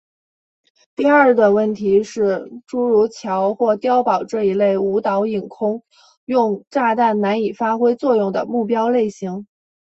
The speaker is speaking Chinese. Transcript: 第二的问题是诸如桥或是碉堡这一类无导引空用炸弹难以发挥作用的目标类型。